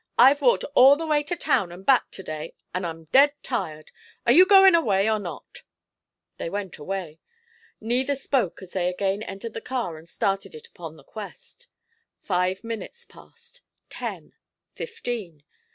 I've walked all the way to town, an' back to day, an' I'm dead tired. Are you goin' away, or not?" They went away. Neither spoke as they again entered the car and started it upon the quest. Five minutes passed; ten; fifteen.